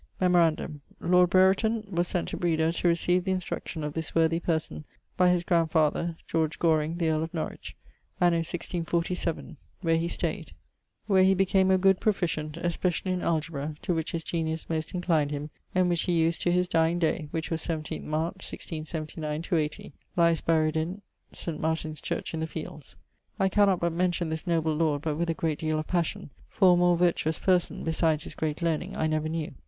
Memorandum: ... lord Brereton was sent to Breda to recieve the instruction of this worthy person, by his grandfather (George Goring, the earle of Norwich) anno 1647, where he stayed ..., where he became a good proficient, especially in algebra to which his genius most inclined him and which he used to his dyeing day, which was 17 March, 1679/80: lies buried in ... St. Martin's church in the fields. I cannot but mention this noble lord but with a great deale of passion, for a more vertuous person (besides his great learning) I never knew.